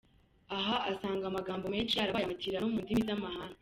Aha asanga amagambo menshi yarabaye amatirano mu ndimi z’amahanga.